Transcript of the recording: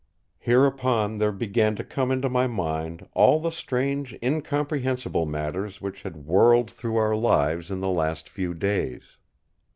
Hereupon there began to come into my mind all the strange incomprehensible matters which had whirled through our lives in the last few days.